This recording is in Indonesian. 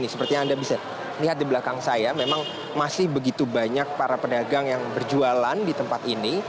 seperti yang anda bisa lihat di belakang saya memang masih begitu banyak para pedagang yang berjualan di tempat ini